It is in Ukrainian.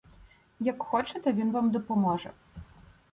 Як хочете — він вам допоможе.